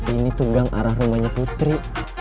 ini tuh gang arah rumahnya putri